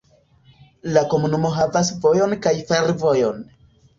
La komunumo havas vojon kaj fervojon.